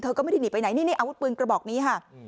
ก็ไม่ได้หนีไปไหนนี่อาวุธปืนกระบอกนี้ค่ะ